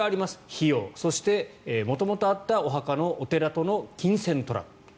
費用、そして元々あったお墓のお寺との金銭トラブル。